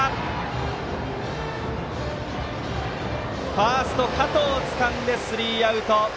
ファースト、加藤がつかんでスリーアウト。